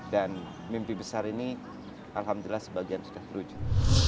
dan mimpi besar ini alhamdulillah sebagian sudah berujung